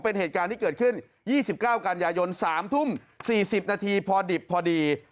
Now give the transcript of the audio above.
เป็นเหตุการณ์ที่เกิดขึ้น๒๙กันยายน๓ทุ่ม๔๐นาทีพอดิบพอดี